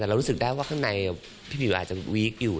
แต่เรารู้สึกได้ว่าข้างในพี่บิวอาจจะวีคอยู่